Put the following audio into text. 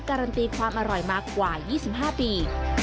การันตีความอร่อยมากว่า๒๕ปี